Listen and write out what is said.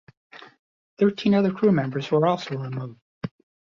Thirteen other crewmembers were also removed.